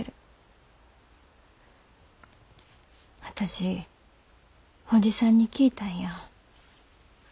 私伯父さんに聞いたんや。